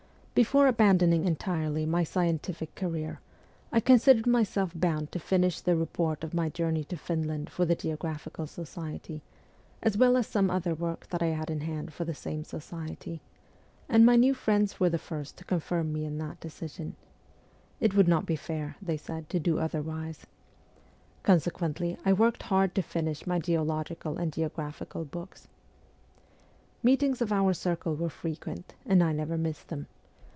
Before abandoning entirely my scientific career, I considered myself bound to finish the report of my journey to Finland for the Geographical Society, as well as some other work that I had in hand for the same society ; and my new friends were the first to confirm me in that decision. It would not be fair, they said, to do otherwise. Consequently, I worked hard to finish my geological and geographical books. Meetings of our circle were frequent, and I never missed them.